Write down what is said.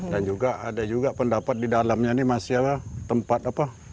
dan juga ada pendapat di dalamnya ini masih tempat apa